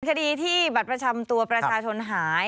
คดีที่บัตรประจำตัวประชาชนหาย